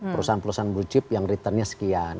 perusahaan perusahaan blue chip yang returnnya sekian